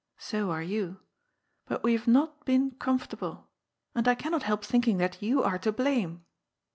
So are yon. But we have not been comfortable. And I can not help thinking that you are to blame.''